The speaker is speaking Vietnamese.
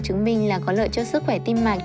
chứng minh là có lợi cho sức khỏe tim mạch